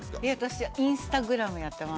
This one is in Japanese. インスタグラムやってます。